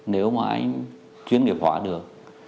nếu mà anh chuyên nghiệp họa được